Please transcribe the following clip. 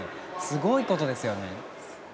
すごいことですよね